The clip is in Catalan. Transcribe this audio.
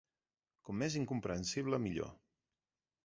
Com més incomprensible, millor.